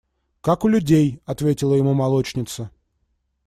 – Как у людей, – ответила ему молочница.